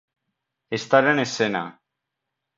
Estar en escena.